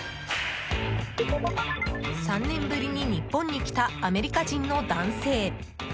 ３年ぶりに日本に来たアメリカ人の男性。